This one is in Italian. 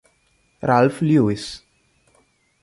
Ralph Lewis